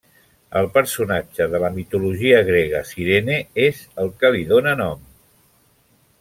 El personatge de la mitologia grega Cirene, és el que li dóna nom.